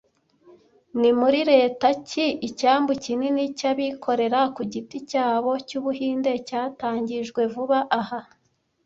Ni muri leta ki icyambu kinini cy’abikorera ku giti cyabo cy’Ubuhinde cyatangijwe vuba aha